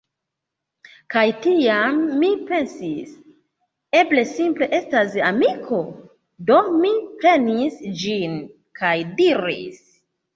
Kaj tiam mi pensis: "Eble simple estas amiko?" do mi prenis ĝin, kaj diris: